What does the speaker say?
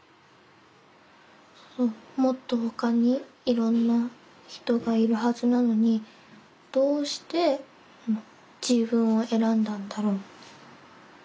もっとほかにいろんな人がいるはずなのにどうして自分を選んだんだろう？